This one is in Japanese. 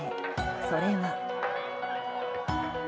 それは。